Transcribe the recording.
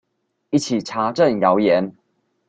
一起查證謠言